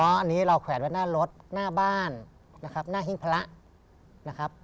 อันนี้เราแขวนไว้หน้ารถหน้าบ้านนะครับหน้าหิ้งพระนะครับ